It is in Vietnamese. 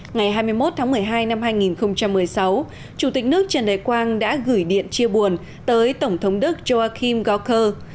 ngày hai mươi một tháng một mươi hai năm hai nghìn một mươi sáu chủ tịch nước trần đại quang đã gửi điện chia buồn tới tổng thống đức johakim goker